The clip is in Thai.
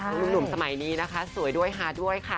หนุ่มสมัยนี้นะคะสวยด้วยฮาด้วยค่ะ